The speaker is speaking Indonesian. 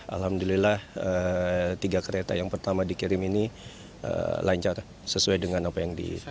alhamdulillah tiga kereta yang pertama dikirim ini lancar sesuai dengan apa yang di